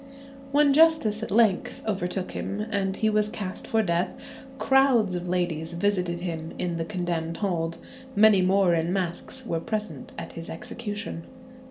When justice at length overtook him, and he was cast for death, crowds of ladies visited him in the condemned hold; many more in masks were present at his execution.